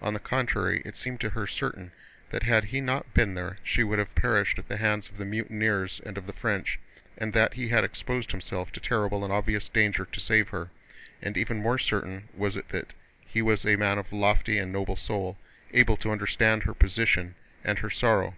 On the contrary, it seemed to her certain that had he not been there she would have perished at the hands of the mutineers and of the French, and that he had exposed himself to terrible and obvious danger to save her, and even more certain was it that he was a man of lofty and noble soul, able to understand her position and her sorrow.